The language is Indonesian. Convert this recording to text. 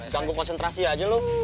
ganggu konsentrasi aja lu